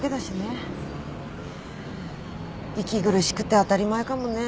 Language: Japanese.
息苦しくて当たり前かもね